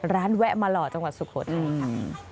แวะมาหล่อจังหวัดสุโขทัยค่ะ